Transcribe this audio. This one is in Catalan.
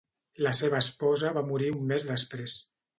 La seva esposa va morir un mes després.